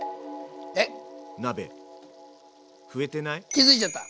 気付いちゃった？